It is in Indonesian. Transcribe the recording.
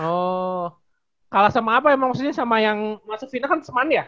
oh kalah sama apa emang maksudnya sama yang masuk vita kan sma nya